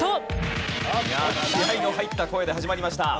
気合の入った声で始まりました。